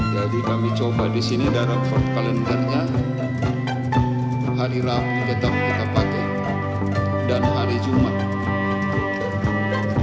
jadi kami coba di sini dalam kalendarnya hari rabu kita pakai dan hari jumat